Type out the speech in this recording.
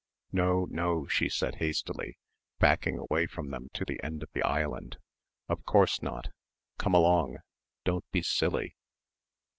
"No, no," she said hastily, backing away from them to the end of the island. "Of course not. Come along. Don't be silly."